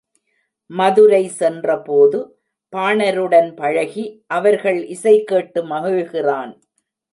மதுரை சென்றபோது பாணருடன் பழகி அவர்கள் இசை கேட்டு மகிழ்கிறான்.